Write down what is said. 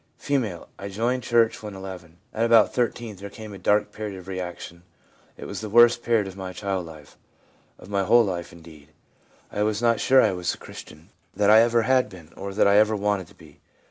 F. * I joined church when 1 1. At about 13 there came a dark period of reaction ; it was the worst period of my child life — of my whole life indeed. I was not sure I was a Christian, that I ever had been, or that I ever wanted to be.